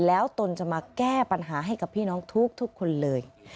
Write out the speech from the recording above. แล้วตนจะมาแก้ปัญหาให้กับพี่น้องทุกคนเลย